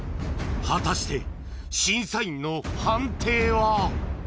果たして審査員の判定は！？